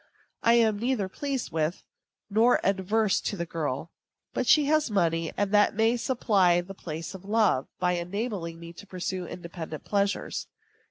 I am neither pleased with nor averse to the girl; but she has money, and that may supply the place of love, by enabling me to pursue independent pleasures.